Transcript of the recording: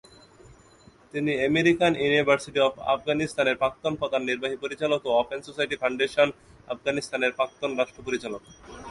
তিনি American university of আফগানিস্তানের প্রাক্তন প্রধান নির্বাহী পরিচালক ও ওপেন সোসাইটি ফাউন্ডেশন-আফগানিস্তানের প্রাক্তন রাষ্ট্র পরিচালক।